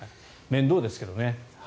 面倒ですけどね。